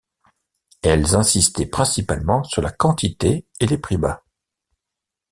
Elles insistaient principalement sur la quantité et les prix bas.